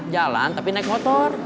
jalan tapi naik motor